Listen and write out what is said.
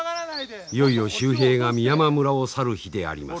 いよいよ秀平が美山村を去る日であります。